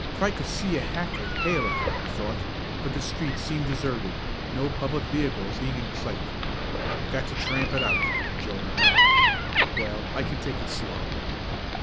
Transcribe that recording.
"If I could see a hack I'd hail it," he thought, but the streets seemed deserted, no public vehicles being in sight. "I've got to tramp it out," Joe went on. "Well, I can take it slow."